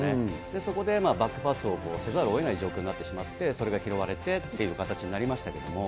そこでバックパスをせざるをえない状況になってしまって、それが拾われてっていう形になりましたけれども。